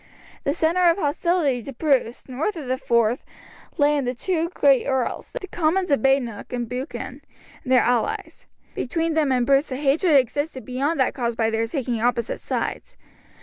The centre of hostility to Bruce, north of the Forth, lay in the two great earls, the Comyns of Badenoch and Buchan, and their allies. Between them and Bruce a hatred existed beyond that caused by their taking opposite sides.